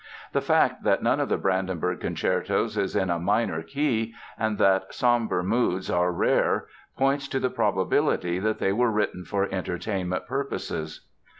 The fact that none of the Brandenburg Concertos is in a minor key and that somber moods are rare, points to the probability that they were written for entertainment purposes.